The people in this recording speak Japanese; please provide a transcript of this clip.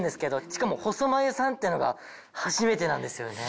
しかも細眉さんっていうのが初めてなんですよね。